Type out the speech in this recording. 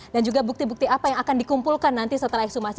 dan juga bukti bukti apa yang akan dikumpulkan nanti setelah ekshumasi